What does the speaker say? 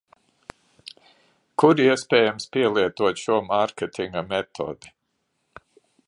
Kur iespējams pielietot šo mārketinga metodi?